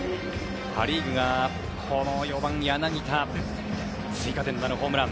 パ・リーグがこの４番、柳田追加点のあのホームラン。